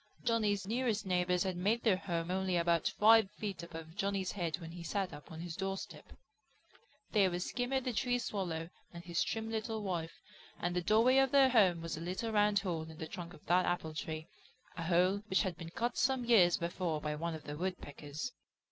Johnny's nearest neighbors had made their home only about five feet above Johnny's head when he sat up on his doorstep. They were Skimmer the Tree Swallow and his trim little wife, and the doorway of their home was a little round hole in the trunk of that apple tree, a hole which had been cut some years before by one of the Woodpeckers.